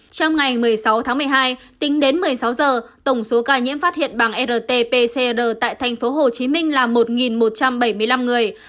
trong ngày một mươi sáu tháng một mươi hai tính đến một mươi sáu giờ tổng số ca nhiễm phát hiện bằng rt pcr tại thành phố hồ chí minh là một một trăm bảy mươi năm người